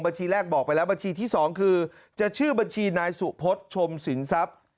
ทีแรกบอกไปแล้วบัญชีที่๒คือจะชื่อบัญชีนายสุพศชมสินทรัพย์